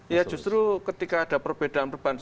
ya justru ketika ada perbedaan perbedaan